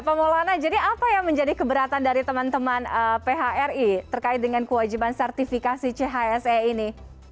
pak maulana jadi apa yang menjadi keberatan dari teman teman phri terkait dengan kewajiban sertifikasi chse ini